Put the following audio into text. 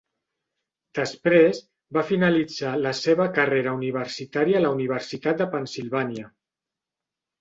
Després, va finalitzar la seva carrera universitària a la Universitat de Pennsilvània.